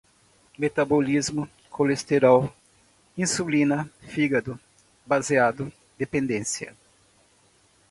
metabolismo, colesterol, insulina, fígado, baseado, dependência